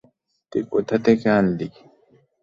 তুই কোথা থেকে আনলি?